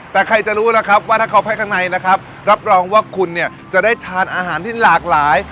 แต่ใครจะรู้นะครับว่าถ้าเขาไปข้างในนะครับรับรองว่าคุณเนี่ยจะได้ทานอาหารที่หลากหลาย